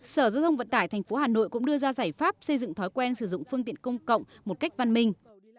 sở giới thông vận tải thành phố hà nội cũng đưa ra giải pháp xây dựng thói quen sử dụng phương tiện công cộng một cách văn minh